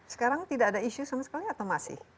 sekarang tidak ada isu sama sekali atau masih